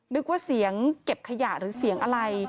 นึกว่าเสียงเก็บขยะหรือเสียงอะไร